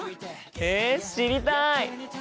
へえ知りたい！